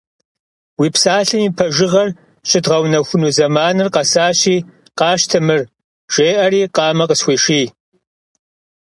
Уи псалъэм и пэжагъыр щыдгъэунэхуну зэманыр къэсащи, къащтэ мыр, — жеӀэри, къамэ къысхуеший.